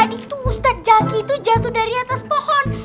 tadi tuh ustadz zaki tuh jatuh dari atas pohon